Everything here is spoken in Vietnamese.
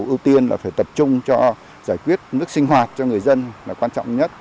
ưu tiên là phải tập trung cho giải quyết nước sinh hoạt cho người dân là quan trọng nhất